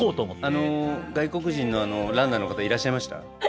あの外国人のあのランナーの方いらっしゃいました？